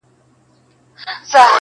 د قاتل لوري ته دوې سترگي نیولي!